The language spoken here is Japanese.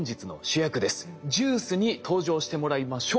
ＪＵＩＣＥに登場してもらいましょう。